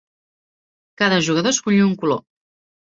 Cada jugador escull un color.